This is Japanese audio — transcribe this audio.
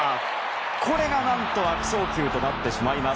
これが何と悪送球となってしまいます。